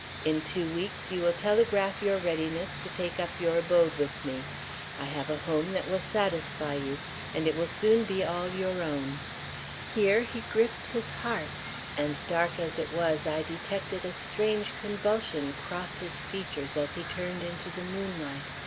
In two weeks you will telegraph your readiness to take up your abode with me. I have a home that will satisfy you; and it will soon be all your own." Here he gripped his heart; and, dark as it was, I detected a strange convulsion cross his features as he turned into the moonlight.